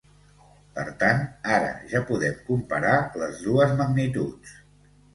Per tant, ara ja podem comparar les dues magnituds.